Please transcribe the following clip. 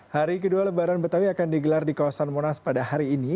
hari kedua lebaran betawi akan digelar di kawasan monas pada hari ini